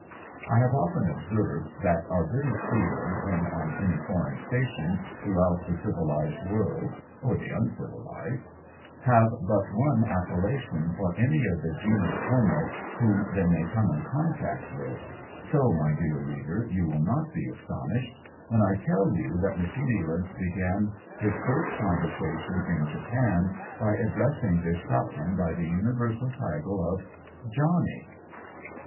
I have often observed that our British seamen, when on any foreign station throughout the civilized world or the uncivilized, have but one appellation for any of the genus homo whom they may come in contact with, so, my dear reader, you will not be astonished when I tell IVE VISIT NA GASAKI TO WN. 1 7 3 you that Mr. Nealance began his first conversation in Japan by addressing this shopman by the universal title of " Johnnie."